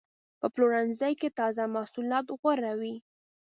په پلورنځي کې تازه محصولات غوره وي.